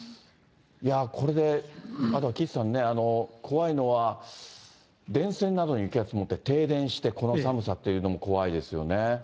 いやー、これであとは岸さんね、怖いのは、電線などに雪が積もって停電して、この寒さっていうのも怖いですよね。